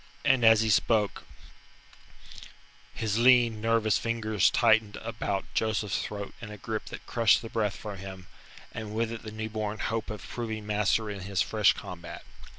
And as he spoke, his lean, nervous fingers tightened about Joseph's throat in a grip that crushed the breath from him, and with it the new born hope of proving master in his fresh combat.